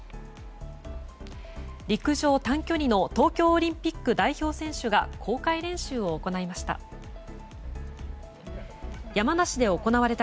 陸上短距離の東京オリンピック代表選手が公開練習を行いました。